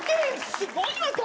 すごいわ彼。